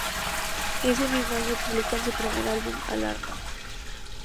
Ese mismo año publican su primer álbum, "Alarma!!!